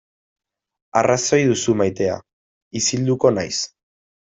Arrazoi duzu maitea, isilduko naiz.